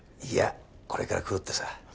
いやこれから来るってさ。